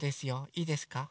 いいですか？